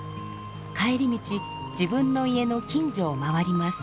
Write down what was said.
帰り道自分の家の近所を回ります。